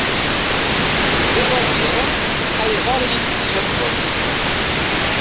Bɣiɣ ad ẓreɣ ayɣer i iyi-d-teskaddbeḍ.